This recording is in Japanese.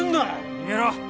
逃げろ！